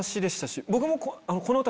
僕も。